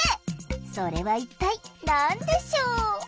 それは一体何でしょう？